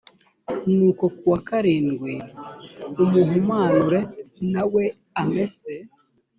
nuko ku wa karindwi amuhumanure na we amese